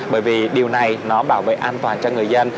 bởi vì điều này nó bảo vệ an toàn cho người dân